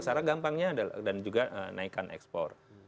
salah gampangnya adalah dan juga naikkan ekspor